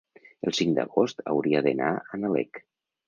el cinc d'agost hauria d'anar a Nalec.